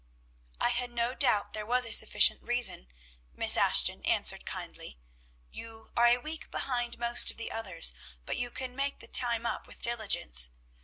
"I had no doubt there was a sufficient reason," Miss Ashton answered kindly. "You are a week behind most of the others, but you can make the time up with diligence.